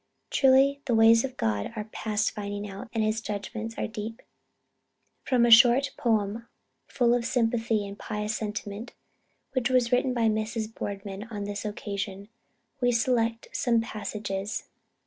Truly the ways of God 'are past finding out,' and 'his judgments are a great deep!' From a short poem full of sympathy and pious sentiment which was written by Mrs. Boardman on this occasion, we select some passages.